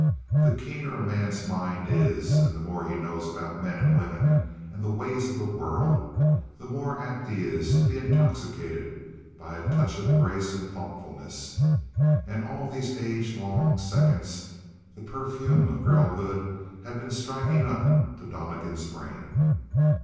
The keener a man's mind is and the more he knows about men and women and the ways of the world, the more apt he is to be intoxicated by a touch of grace and thoughtfulness; and all these age long seconds the perfume of girlhood had been striking up to Donnegan's brain.